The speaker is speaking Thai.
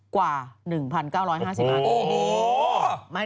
กว่า๑๙๕๐บาท